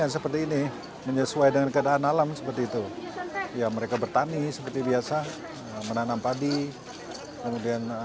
seperti damar garu